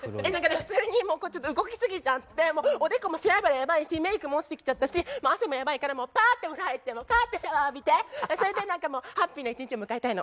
普通にもうちょっと動きすぎちゃっておでこも脂やばいしメークも落ちてきちゃったしもう汗もやばいからもうパーッてお風呂入ってパーッてシャワー浴びてそれで何かもうハッピーな一日を迎えたいの。